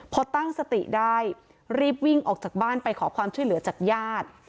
พอตั้งสติได้รีบวิ่งออกจากบ้านไปขอความช่วยเหลือจากญาติ